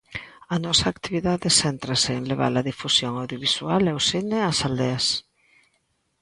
A nosa actividade céntrase en levar a difusión audiovisual e o cine ás aldeas.